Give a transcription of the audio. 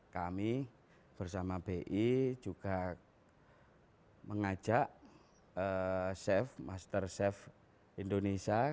kami bersama bi juga mengajak chef master chef indonesia